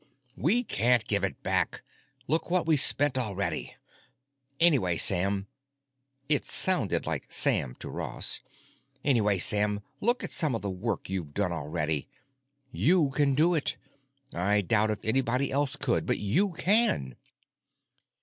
"We can't give it back. Look what we spent already. Anyway, Sam,——" It sounded like "Sam" to Ross. "——anyway, Sam, look at some of the work you've done already. You can do it. I doubt if anybody else could, but you can."